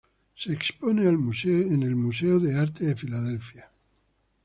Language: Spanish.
Se expone el Museo de Arte de Filadelfia.